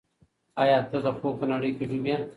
آیا ته د خوب په نړۍ کې ډوب یې؟